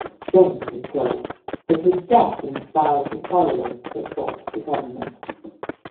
Jones is killed, but his death inspires his followers to assault the government.